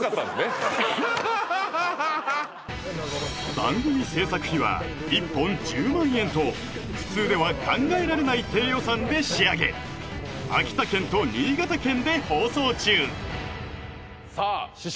番組制作費は１本１０万円と普通では考えられない低予算で仕上げ秋田県と新潟県で放送中さあ師匠